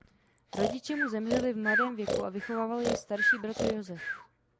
Rodiče mu zemřeli v mladém věku a vychovával jej starší bratr Josef.